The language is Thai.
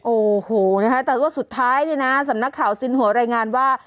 โอ้โหนะคะแต่ว่าสุดท้ายเนี่ยนะสำนักข่าวสินหัวรายงานว่า